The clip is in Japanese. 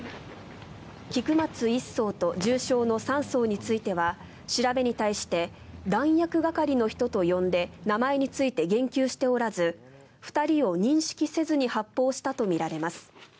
菊松１曹と重傷の３曹については調べに対して弾薬係の人と呼んで名前について言及しておらず２人を認識せずに発砲したとみられます。